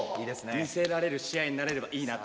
見せられる試合になれればいいなと。